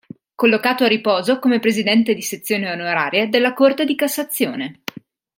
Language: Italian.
Collocato a riposo come presidente di sezione onorario della Corte di Cassazione.